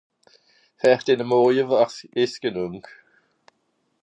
Fer denne Morje wär's genue.